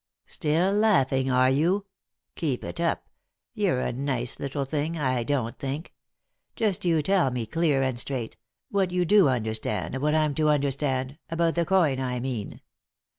" Still laughing, are you t Keep it up — you're a nice little thing, I don't think 1 Just yon tell me, clear and straight, what yon do understand, and what I'm to understand — about the coin, I mean."